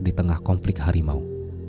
di tengah konflik harimau